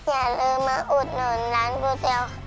อย่าลืมมาอุดหน่วนร้านก๋อเตี๋ยว